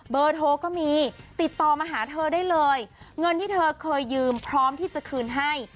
เบอร์โทรก็มีติดต่อมาหาเธอได้เลยเงินที่เธอเคยยืมพร้อมที่จะคืนให้